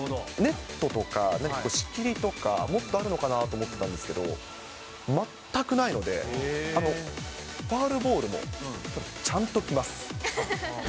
ネットとか仕切りとか、もっとあるのかなと思ったんですけど、全くないので、ファウルボールもちゃんと来ます。